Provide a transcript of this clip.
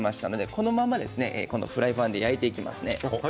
このままフライパンで焼いていきます。